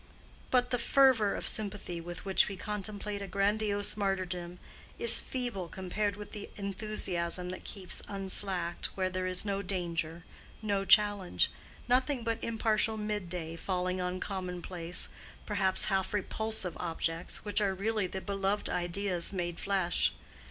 But the fervor of sympathy with which we contemplate a grandiose martyrdom is feeble compared with the enthusiasm that keeps unslacked where there is no danger, no challenge—nothing but impartial midday falling on commonplace, perhaps half repulsive, objects which are really the beloved ideas made flesh.